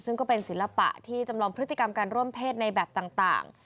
ซึ่งก็เป็นศิลปะที่จำลองพฤติกรรมการร่วมเพศในแบบต่าง